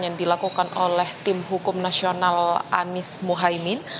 yang dilakukan oleh tim hukum nasional anies mohaimin